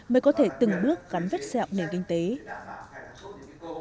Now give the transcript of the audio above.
mới có thể đạt được những kế hoạch đối với doanh nghiệp